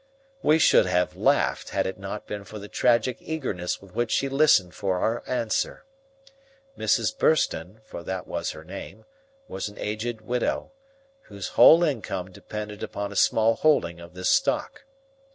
We should have laughed had it not been for the tragic eagerness with which she listened for our answer. Mrs. Burston, for that was her name, was an aged widow, whose whole income depended upon a small holding of this stock.